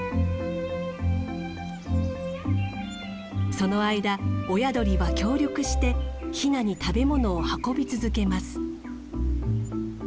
その間親鳥は協力してヒナに食べ物を運び続けます。